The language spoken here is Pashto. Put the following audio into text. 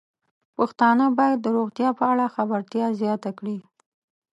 پښتانه بايد د روغتیا په اړه خبرتیا زياته کړي.